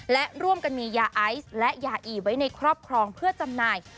และร่วมกันมียาไอซ์และยาอีไว้ในครอบครองเพื่อจำหน่าย